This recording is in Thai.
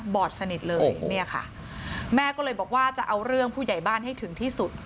อดสนิทเลยเนี่ยค่ะแม่ก็เลยบอกว่าจะเอาเรื่องผู้ใหญ่บ้านให้ถึงที่สุด